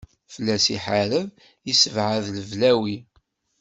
Fell-as iḥareb, yessebɛed leblawi.